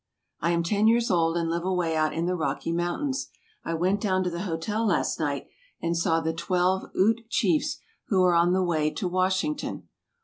I am ten years old, and live away out in the Rocky Mountains. I went down to the hotel last night, and saw the twelve Ute chiefs who are on the way to Washington.